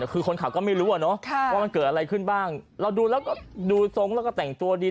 คือคนขับก็ไม่รู้อ่ะเนอะว่ามันเกิดอะไรขึ้นบ้างเราดูแล้วก็ดูทรงแล้วก็แต่งตัวดี